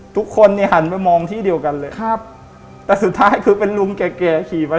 ทุกคนเนี่ยหันไปมองที่เดียวกันเลยครับแต่สุดท้ายคือเป็นลุงแก่แก่ขี่ไป